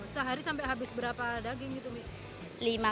sehari sampai habis berapa daging gitu mbak